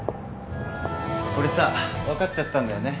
俺さ分かっちゃったんだよね。